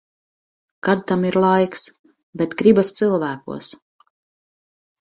Kad tam ir laiks. Bet gribas cilvēkos.